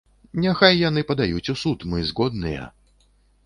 Няхай яны падаюць у суд, мы згодныя.